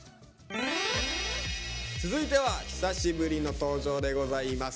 続いては久しぶりの登場でございます。